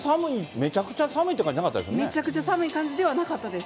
めちゃくちゃ寒い感じではなかったです。